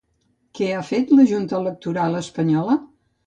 Què ha fet la Junta Electoral espanyola?